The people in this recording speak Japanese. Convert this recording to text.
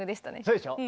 そうでしょ。